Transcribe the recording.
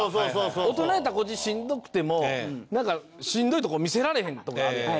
大人やったらこっちしんどくてもしんどいとこ見せられへんとかあるやん。